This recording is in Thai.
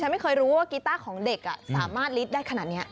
ไม่เคยรู้ว่ากีต้าของเด็กสามารถลิดได้ขนาดนี้